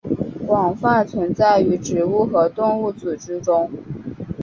广泛存在于植物和动物组织中。